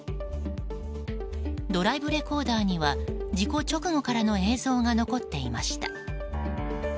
ドライブレコーダーには事故直後からの映像が残っていました。